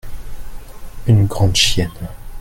une grande chienne.